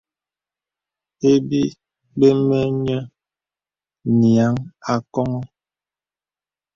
Ibi bə mə nyə nyèaŋ akɔŋɔ.